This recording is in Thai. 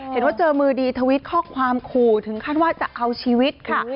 เห็นว่าเจอมือดีทวิตข้อความขู่ถึงขั้นว่าจะเอาชีวิตค่ะ